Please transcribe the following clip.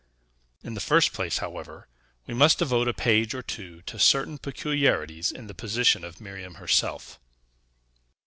In the first place, however, we must devote a page or two to certain peculiarities in the position of Miriam herself.